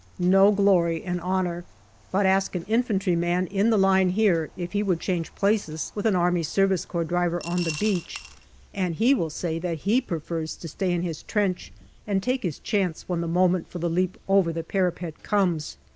No glory and honour. But ask an infantry man in the line here if he would change places with an A.S.C. driver on the beach, and he will say that he prefers to stay in his trench and take his chance when the moment for the leap over the parapet comes.